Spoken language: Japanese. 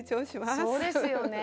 そうですよねえ。